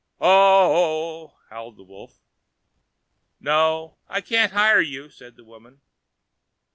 "Uh—uh!" howled the wolf. "No, I can't hire you," said the woman.